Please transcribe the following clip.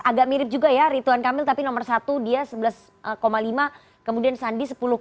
agak mirip juga ya rituan kamil tapi nomor satu dia sebelas lima kemudian sandi sepuluh